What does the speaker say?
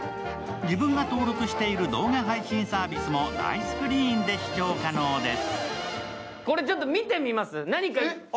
自分が登録している動画配信サービスも大スクリーンで視聴可能です。